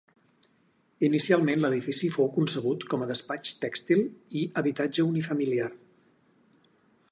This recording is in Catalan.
Inicialment l'edifici fou concebut com a despatx tèxtil i habitatge unifamiliar.